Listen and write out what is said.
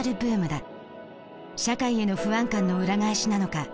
社会への不安感の裏返しなのか